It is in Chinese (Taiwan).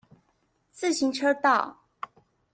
自行車道